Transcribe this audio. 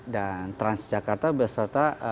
dan transjakarta berserta